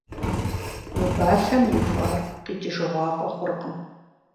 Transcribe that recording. Убалъэм ихуар къикӀыжыгъуафӀэ хъуркъым.